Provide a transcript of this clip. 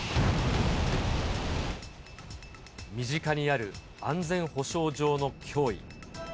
身近にある安全保障上の脅威。